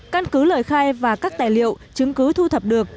căn cứ lời khai và các tài liệu chứng cứ thu thập được